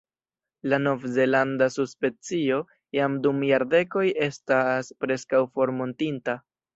La Nov-Zelanda subspecio jam dum jardekoj estas preskaŭ formortinta.